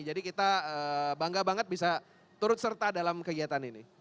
jadi kita bangga banget bisa turut serta dalam kegiatan ini